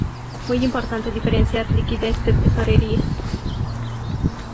Muy importante diferenciar liquidez de tesorería.